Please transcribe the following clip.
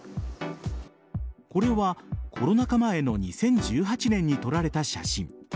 これはコロナ禍前の２０１８年に撮られた写真。